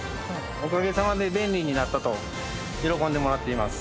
おかげさまで便利になったと喜んでもらっています。